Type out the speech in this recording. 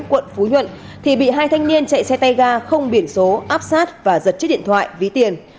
quận phú nhuận thì bị hai thanh niên chạy xe tay ga không biển số áp sát và giật chiếc điện thoại ví tiền